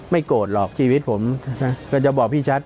ไม่โกรธหรอกชีวิตผมนะก็จะบอกพี่ชัตริ์